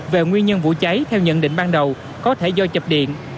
về nguyên nhân vụ cháy theo nhận định ban đầu có thể do chập điện